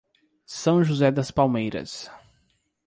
São José das Palmeiras